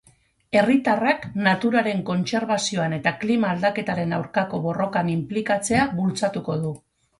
Herritarrak naturaren kontserbazioan eta klima-aldaketaren aurkako borrokan inplikatzea bultzatuko du.